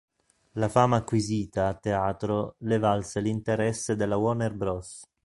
La fama acquisita a teatro le valse l'interesse della Warner Bros.